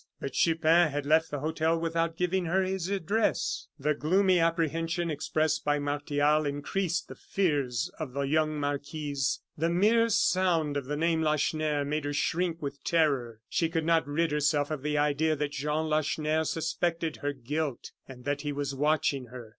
But Chupin had left the hotel without giving her his address. The gloomy apprehension expressed by Martial increased the fears of the young marquise. The mere sound of the name Lacheneur made her shrink with terror. She could not rid herself of the idea that Jean Lacheneur suspected her guilt, and that he was watching her.